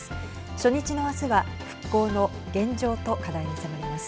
初日の明日は復興の現状と課題に迫ります。